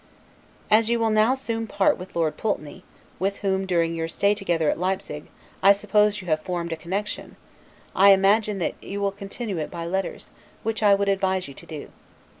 As you will now soon part with Lord Pulteney, with whom, during your stay together at Leipsig, I suppose you have formed a connection, I imagine that you will continue it by letters, which I would advise you to do.